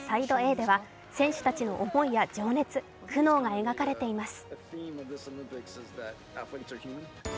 Ａでは選手たちの思いや情熱、苦労が描かれています。